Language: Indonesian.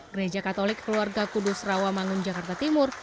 gereja katolik keluarga kudus rawamangun jakarta timur